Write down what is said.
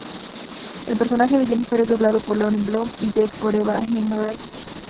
El personaje de Jennifer es doblado por Lauren Bloom, y Jake por Evan Enright-Schulz.